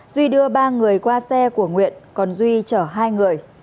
duy đưa ba người qua xe của nguyện còn duy chở hai người